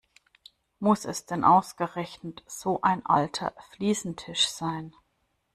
Muss es denn ausgerechnet so ein alter Fliesentisch sein?